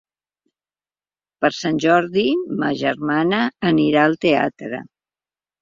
Per Sant Jordi ma germana anirà al teatre.